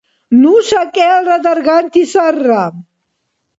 Нуша кӀелра дарганти сарра.